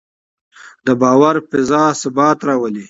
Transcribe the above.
د باور فضا ثبات راولي